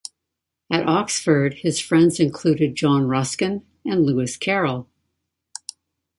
At Oxford his friends included John Ruskin and Lewis Carroll.